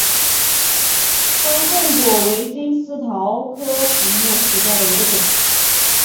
山凤果为金丝桃科福木属下的一个种。